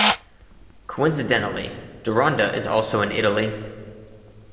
Coincidentally, Deronda is also in Italy.